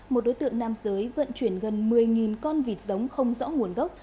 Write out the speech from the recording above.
một đối tượng nam giới vận chuyển gần một mươi con vịt giống không rõ nguồn gốc